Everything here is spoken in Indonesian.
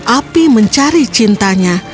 api mencari cintanya